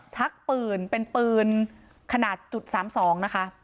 ชักปืนเป็นปืนขนาดจุด๓๒นะคะ